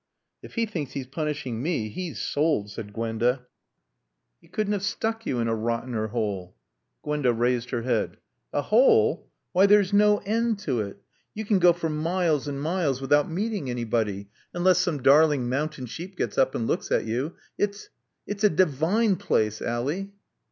"If he thinks he's punishing me he's sold," said Gwenda. "He couldn't have stuck you in a rottener hole." Gwenda raised her head. "A hole? Why, there's no end to it. You can go for miles and miles without meeting anybody, unless some darling mountain sheep gets up and looks at you. It's it's a divine place, Ally."